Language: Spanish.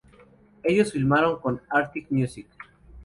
Ellos firmaron con Arctic Music.